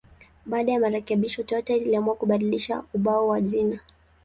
Baada ya marekebisho, Toyota iliamua kubadilisha ubao wa jina.